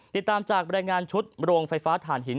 ติดตามจากบรรยายงานชุดโรงไฟฟ้าฐานหิน